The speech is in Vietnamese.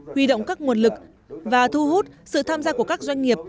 huy động các nguồn lực và thu hút sự tham gia của các doanh nghiệp